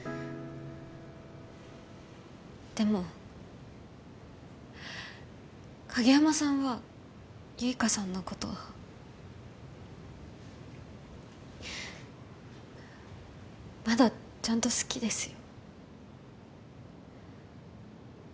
でも影山さんは結花さんのことまだちゃんと好きですよ。